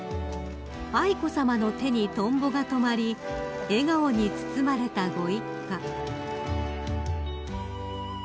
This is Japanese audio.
［愛子さまの手にトンボが止まり笑顔に包まれたご一家］